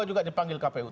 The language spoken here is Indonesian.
dua juga dipanggil kpu